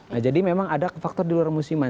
nah jadi memang ada faktor di luar musiman